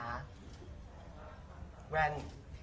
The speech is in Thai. แว่น